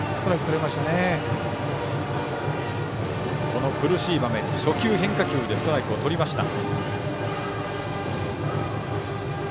この苦しい場面初球、変化球でストライクをとりました。